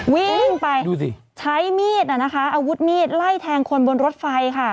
วิ่งไปดูสิใช้มีดนะคะอาวุธมีดไล่แทงคนบนรถไฟค่ะ